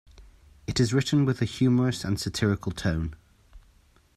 It is written with a humorous and satirical tone.